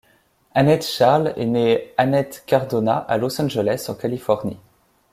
Annette Charles est née Annette Cardonna à Los Angeles, en Californie.